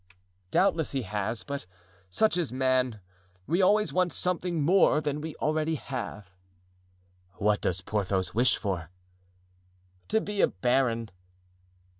"Doubtless he has. But such is man, we always want something more than we already have." "What does Porthos wish for?" "To be a baron."